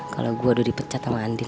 kalau gue udah dipecat sama andi